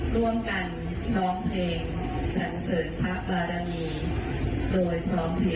ร่วมกันร้องเพลงสันเสริญพระบารมีโดยพร้อมเพ